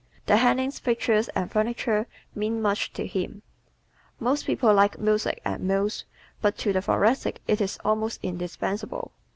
The hangings, pictures, and furniture mean much to him. Most people like music at meals but to the Thoracic it is almost indispensable.